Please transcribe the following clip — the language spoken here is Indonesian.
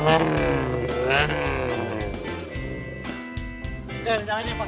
eh jangan jangan ya pak